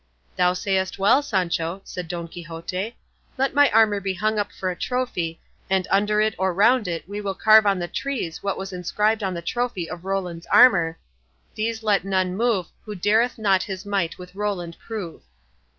"Thou sayest well, Sancho," said Don Quixote; "let my armour be hung up for a trophy, and under it or round it we will carve on the trees what was inscribed on the trophy of Roland's armour These let none move Who dareth not his might with Roland prove."